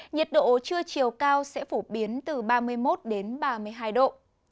nhiệt độ trưa chiều cao sẽ phổ biến từ ba mươi một đến ba mươi hai độ